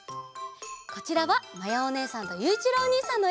こちらはまやおねえさんとゆういちろうおにいさんのえ！